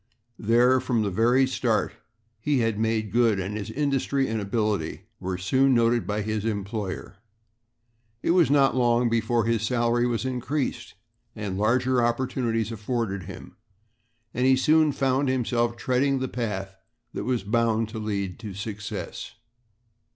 There from the very start he had made good and his industry and ability were soon noted by his employer. It was not long before his salary was increased and larger opportunities afforded him, and he soon found himself treading the path that was bound to lead to success.